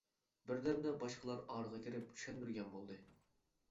بىردەمدە باشقىلار ئارىغا كىرىپ چۈشەندۈرگەن بولدى.